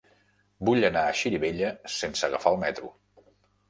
Vull anar a Xirivella sense agafar el metro.